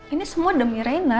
ini semua demi rena